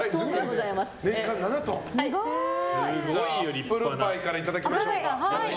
アップルパイからいただきましょうか。